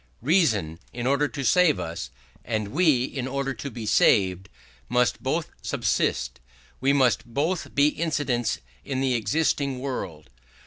Reason, in order to save us, and we, in order to be saved, must both subsist: we must both be incidents in the existing world.